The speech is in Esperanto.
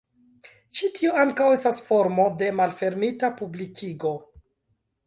Ĉi tio ankaŭ estas formo de malfermita publikigo.